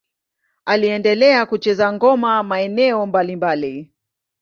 Aliendelea kucheza ngoma maeneo mbalimbali.